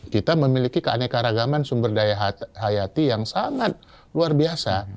kita memiliki keanekaragaman sumber daya hayati yang sangat luar biasa